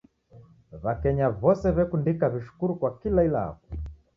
W'akenya w'ose wekundika w'ishukuru kwa kila ilagho